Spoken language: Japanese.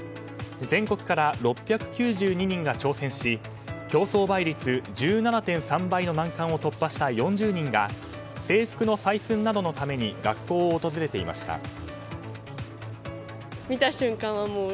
全国から６９２人が挑戦し競争倍率１７．３倍の難関を突破した４０人が制服の採寸などのために学校を訪れていました。